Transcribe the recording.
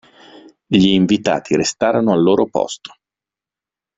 Gli invitati restarono al loro posto.